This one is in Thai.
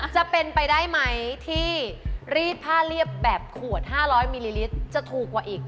จะเป็นไปได้ไหมที่รีดผ้าเรียบแบบขวด๕๐๐มิลลิลิตรจะถูกกว่าอีก